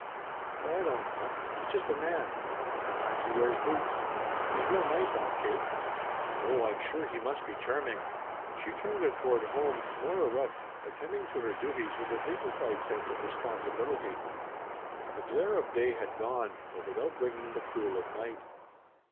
"Oh, I don't know. He's just a man. Sometimes he wears boots. He's real nice, Aunt Kate." "Oh I'm sure he must be charming!" She turned toward home, more erect, attending to her duties with a dignified sense of responsibility. The glare of day had gone, but without bringing the cool of night.